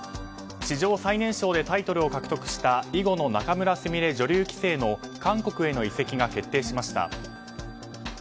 史上最年少でタイトルを獲得した囲碁の仲邑菫女流棋聖の韓国への移籍が決定しました。